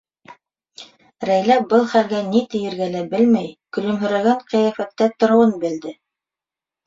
Рәйлә был хәлгә ни тиергә лә белмәй, көлөмһөрәгән ҡиәфәттә тороуын белде.